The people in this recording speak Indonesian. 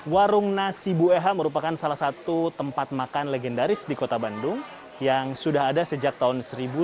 warung nasi bu eha merupakan salah satu tempat makan legendaris di kota bandung yang sudah ada sejak tahun seribu sembilan ratus delapan puluh